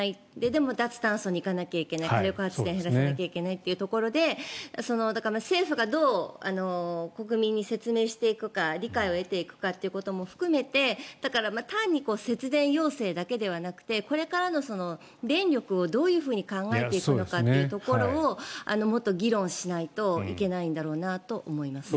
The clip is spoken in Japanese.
でも脱炭素に行かなきゃいけない火力発電を減らさなきゃいけないというところで政府がどう国民に説明していくか理解を得ていくかということも含めて単に節電要請だけではなくてこれからの電力をどう考えていくのかというところをもっと議論しないといけないんだろうなと思います。